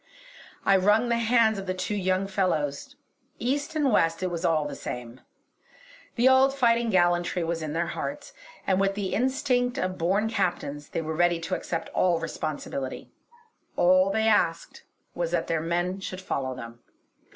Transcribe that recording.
I wrung the hands of the two young fellows. East and West, it was all the same! The old fighting gallantry was in their hearts; and with the instinct of born Captains they were ready to accept all responsibility. All they asked was that their men should follow them.